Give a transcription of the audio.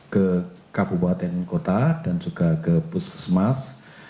ke kabupaten kota dan juga ke puskesmas